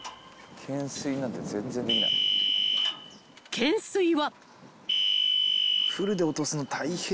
［懸垂は］